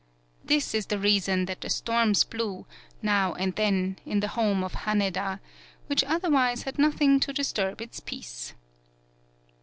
This is the reason that the storms blew, now 16 TAKASE BUNE and then, in the home of Haneda, which otherwise had nothing to disturb its peace.